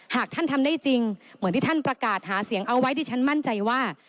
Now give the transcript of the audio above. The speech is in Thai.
หากท่านทำได้จริงเหมือนที่ท่านประกาศหาเสียงเอาไว้ที่ฉันมั่นใจว่า